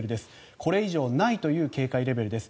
これ以上ないという警戒レベルです。